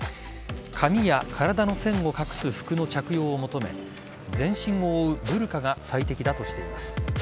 髪や体の線を隠す服の着用を求め全身を覆うブルカが最適だとしています。